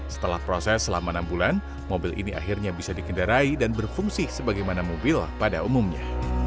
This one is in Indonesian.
setelah proses selama enam bulan mobil ini akhirnya bisa dikendarai dan berfungsi sebagaimana mobil pada umumnya